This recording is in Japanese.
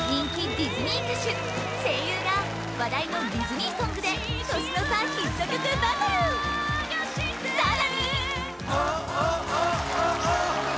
ディズニー歌手声優が話題のディズニーソングで年の差ヒット曲バトルさらにオオオオオー